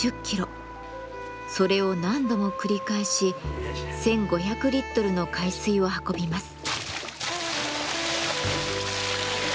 それを何度も繰り返し１，５００リットルの海水を運びます。